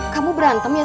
kamu berantem ya ce